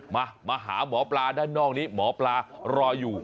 มามาหาหมอปลาด้านนอกนี้หมอปลารออยู่